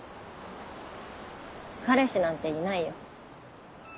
彼氏なんていないよ。